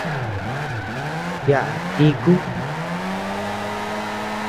Yaʼa tíku.